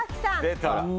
出た！